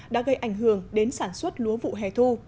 đã gây ảnh hưởng đến sản xuất lúa vụ hè thu